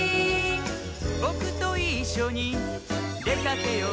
「ぼくといっしょにでかけよう」